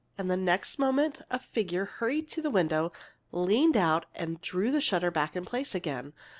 And the next moment a figure hurried to the window, leaned out, and drew the shutter back in place again.